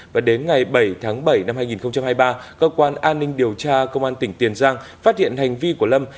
và đến ngày bảy tháng bảy năm hai nghìn hai mươi ba cơ quan an ninh điều tra công an tỉnh tiền giang phát hiện hành vi của lâm